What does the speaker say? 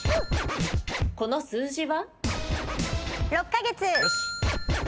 この数字は？